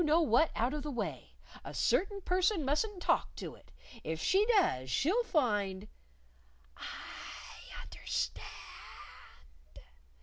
_" "Get you know what out of the way! A certain person musn't talk to it! If she does she'll find " "I understand!"